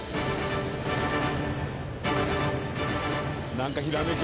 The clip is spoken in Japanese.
何かひらめけ！